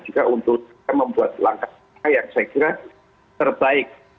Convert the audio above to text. juga untuk membuat langkah yang saya kira terbaik